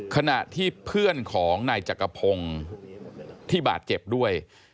ขณะที่เพื่อนของนายจักรพงศ์ที่บาดเจ็บด้วย